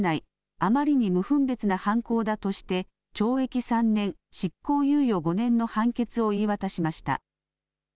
あまりに無分別な犯行だとして懲役３年、執行猶予５年の判決を言い渡しました。